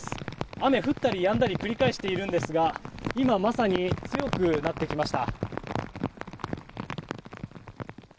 雨、降ったりやんだりを繰り返しているのですが今まさに、強くなってきました。